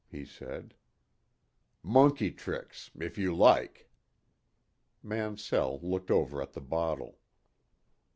he said. "Monkey tricks if you like." Mansell looked over at the bottle.